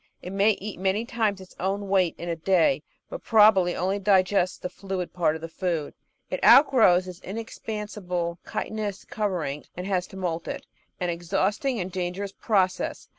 It may eat many times its own weight in a day, but probably only digests the fluid part of the food. It outgrows its inexpansible chitinous cover ing, and has to moult it, an exhausting and dangerous process.